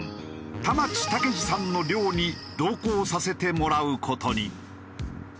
田町竹治さんの漁に同行させてもらう事に。